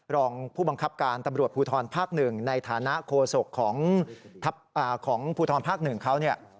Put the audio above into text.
รองผู้บังคับการตำรวจพลุธรภาค๑ในฐานะโครศกของพลุธรภาค๑เขา